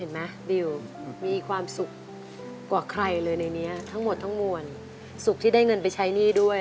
บิวมีความสุขกว่าใครเลยในนี้ทั้งหมดทั้งมวลสุขที่ได้เงินไปใช้หนี้ด้วย